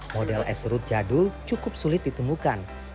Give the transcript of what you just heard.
model esrut jadul cukup sulit ditemukan